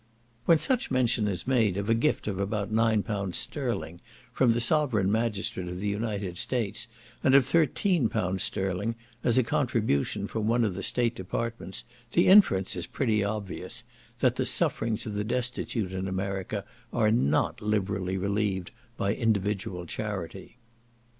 When such mention is made of a gift of about nine pounds sterling from the sovereign magistrate of the United States, and of thirteen pounds sterling as a contribution from one of the state departments, the inference is pretty obvious, that the sufferings of the destitute in America are not liberally relieved by individual charity.